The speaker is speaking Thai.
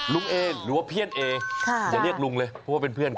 เอหรือว่าเพี้ยนเอออย่าเรียกลุงเลยเพราะว่าเป็นเพื่อนกัน